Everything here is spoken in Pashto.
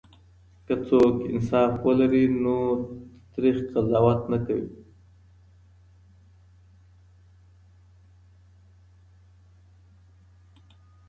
که څوک انصاف ولري نو تريخ قضاوت نه کوي.